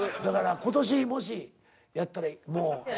だから今年もしやったらもう。